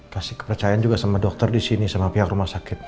kasih kepercayaan juga sama dokter di sini sama pihak rumah sakit